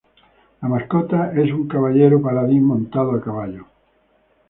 La mascota es un caballero paladín montado a caballo.